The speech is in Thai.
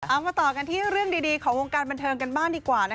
มาต่อกันที่เรื่องดีของวงการบันเทิงกันบ้างดีกว่า